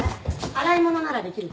洗い物ならできるでしょ？